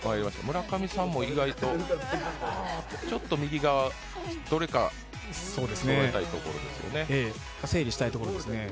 村上さんも意外とちょっと右側、どれかそろえたいところですよね。